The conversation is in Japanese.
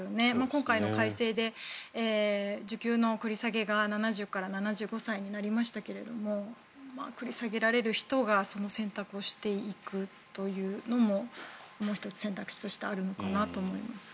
今回の改正で受給の繰り下げが７０から７５歳になりましたけど繰り下げられる人がその選択をしていくというのももう１つ選択肢としてあるのかなと思います。